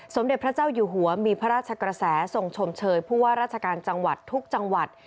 สมเด็จพระเจ้าอยู่หัวมีพระราชกระแสทรงชมเชยผู้ว่าราชการจังหวัดทุกจังหวัด